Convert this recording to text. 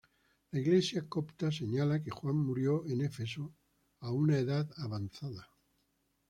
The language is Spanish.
La Iglesia copta señala que Juan murió en Éfeso a una edad avanzada.